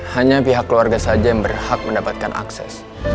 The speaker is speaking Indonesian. hanya pihak keluarga saja yang berhak mendapatkan akses